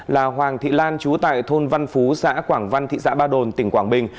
là hoàng thị lan chú tại thôn văn phú xã quảng văn thị xã ba đồn tỉnh quảng bình